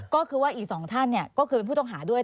ก็คือว่าอีกสองท่านเนี่ยก็คือผู้ตรงหาด้วย